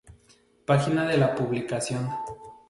Página de la publicación